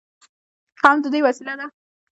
قوم د دوی وسیله ده.